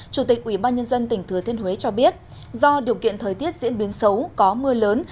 chủ tịch ubnd tỉnh thừa thiên huế cho biết do điều kiện thời tiết diễn biến xấu có mưa lớn